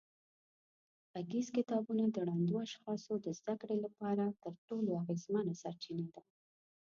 غږیز کتابونه د ړندو اشخاصو د زده کړې لپاره تر ټولو اغېزمنه سرچینه ده.